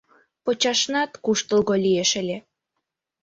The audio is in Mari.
Почашнат куштылго лиеш ыле